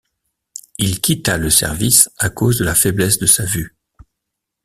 Il quitta le service à cause de la faiblesse de sa vue.